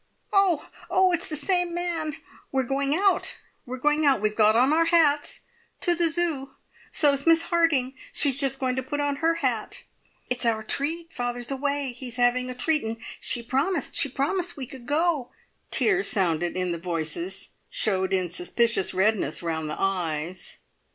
"Oh, oh! It's the Same Man!" "We're going out! We're going out! We've got on our hats." "To the Zoo! So's Miss Harding. She's just going to put on her hat." "It's our treat. Father's away. He's having a treat, and she promised she promised we could go!" Tears sounded in the voices, showed in suspicious redness round the eyes.